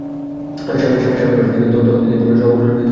স্বামীর পাশে থেকে তখন থেকেই তহবিল সংগ্রহে নিরলস পরিশ্রম করেন তিনি।